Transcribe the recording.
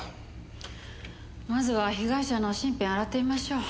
まずは被害者の身辺洗ってみましょう。